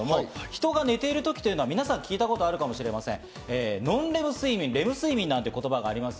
人が寝ている時というのは、皆さん聞いたことがあるかもしれません、ノンレム睡眠とレム睡眠という言葉があります。